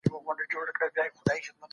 سپمول سوي پيسې په مولدو برخو کي لګيدلې.